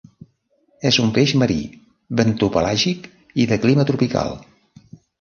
És un peix marí, bentopelàgic i de clima tropical.